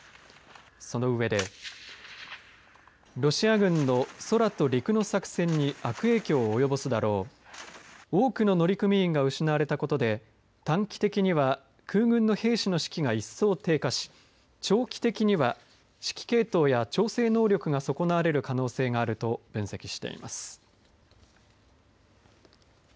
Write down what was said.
その上でロシア軍の空と陸の作戦に悪影響を及ぼすだろう多くの乗組員が失われたことで短期的には空軍の兵士の士気が一層低下し長期的には指揮系統や調整能力が損なわれる可能性があると分析しています。